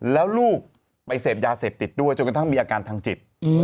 แล้วลูกไปเสพยาเสพติดด้วยจนกระทั่งมีอาการทางจิต